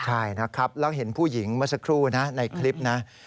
ใช่นะครับแล้วเห็นผู้หญิงเมื่อสักครู่นะในคลิปนะ